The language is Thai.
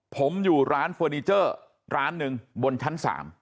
ผมอยู่ร้านเฟอร์นิเจอร์ร้านหนึ่งบนชั้น๓